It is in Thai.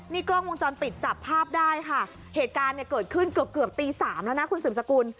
นี่กล้องวงจรปิดจับภาพได้ค่ะเหตุการณ์เนี่ยเกิดขึ้นเกือบเกือบตีสามแล้วนะคุณสืบสกุล